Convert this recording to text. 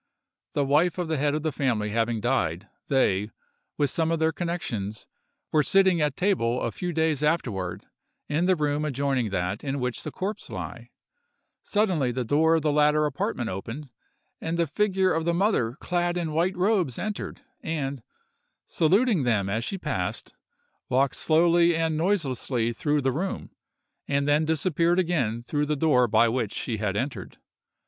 The wife of the head of the family having died, they, with some of their connections, were sitting at table a few days afterward, in the room adjoining that in which the corpse lay; suddenly the door of the latter apartment opened, and the figure of the mother clad in white robes entered, and, saluting them as she passed, walked slowly and noiselessly through the room, and then disappeared again through the door by which she had entered.